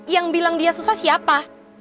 yang bilang dia susah siapa